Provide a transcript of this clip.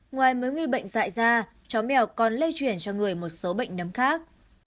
ngoài mối nguy bệnh dạy da chó mèo còn lây chuyển cho người một số bệnh nấm khác